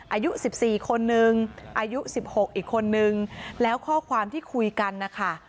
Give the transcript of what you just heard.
อายุ๑๔คนนึงอายุ๑๖อีกคนนึงแล้วข้อความที่คุยกันนะคะ